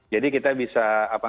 jadi kita bisa apa